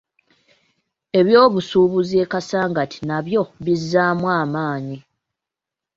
Eby'obusubuuzi e Kasangati nabyo bizzaamu amaanyi.